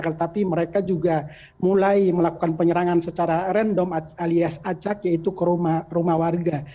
tetapi mereka juga mulai melakukan penyerangan secara random alias acak yaitu ke rumah warga